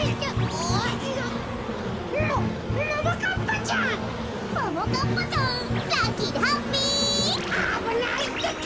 おぶないってか。